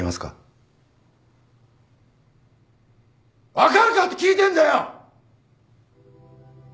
分かるかって聞いてんだよ！！